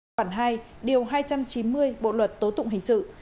khoảng hai điều hai trăm chín mươi bộ luật tố tụng hình sự